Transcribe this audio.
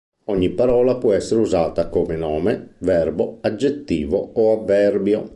Ogni parola può essere usata come nome, verbo, aggettivo o avverbio.